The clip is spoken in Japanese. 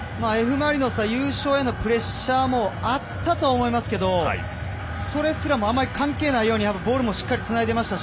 マリノスは優勝のプレッシャーがあったと思うんですけどもそれすらもあまり関係ないようにボールもしっかりつなぎました。